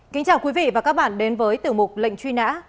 kính chào quý vị và các bạn đến với tiểu mục lệnh truy nã